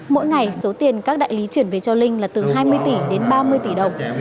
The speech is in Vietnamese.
mỗi ngày số tiền các đại lý chuyển về cho linh là từ hai mươi tỷ đến ba mươi tỷ đồng